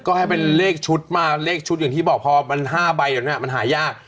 ก็ให้เป็นเลขชุดมาเลขชุดอย่างที่บอกพอมัน๕ใบแบบนี้มันหายาก